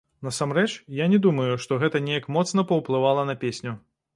Насамрэч, я не думаю, што гэта неяк моцна паўплывала на песню.